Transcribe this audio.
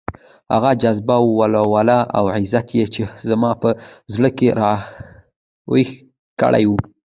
هغه جذبه، ولوله او عزت يې چې زما په زړه کې راويښ کړی وو.